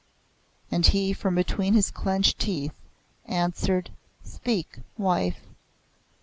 And he from between his clenched teeth, answered, "Speak, wife."